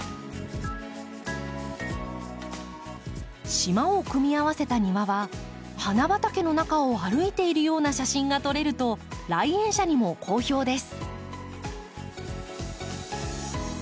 島を組み合わせた庭は花畑の中を歩いているような写真が撮れると来園者にも好評です。